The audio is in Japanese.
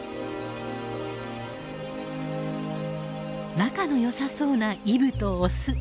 仲のよさそうなイブとオス。